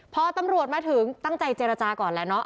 พอตำรวจมาถึงตั้งใจเจรจาก่อนหนึ่ง